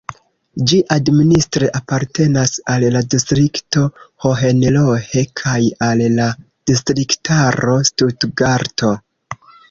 Ĝi administre apartenas al la distrikto Hohenlohe kaj al la distriktaro Stutgarto.